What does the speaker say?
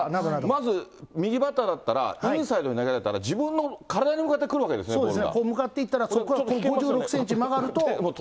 まず、右バッターだったら、インサイドに投げられたら、自分の体に向かってくるわけですね、ボールが。